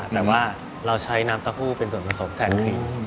แต่ว่าเราใช้น้ำเต้าหู้เป็นส่วนผสมแทนฟรี